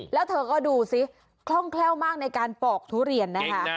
แล้วเธอก็ดูสิคล่องแคล่วมากในการปอกทุเรียนนะคะ